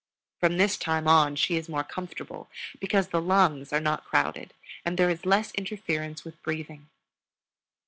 From this time on she is more comfortable, because the lungs are not crowded, and there is less interference with breathing.